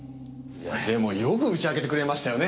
でもよく打ち明けてくれましたよね。